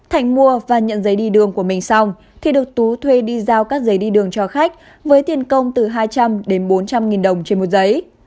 thành mua và nhận giấy đi đường của mình xong thì được tú thuê đi giao các giấy đi đường cho khách với tiền công từ hai trăm linh đến bốn trăm linh nghìn đồng trên một giấy